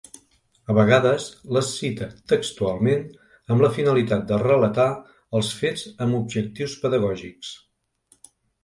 A vegades les cita textualment amb la finalitat de relatar els fets amb objectius pedagògics.